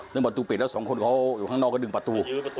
ประตูปิดแล้วสองคนเขาอยู่ข้างนอกก็ดึงประตู